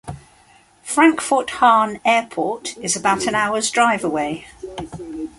Frankfurt-Hahn Airport is about an hour's drive away.